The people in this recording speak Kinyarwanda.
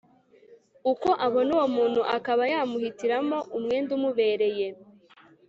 uko abona uwo muntu akaba yamuhitiramo umwenda umubereye